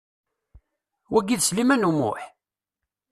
Wagi d Sliman U Muḥ?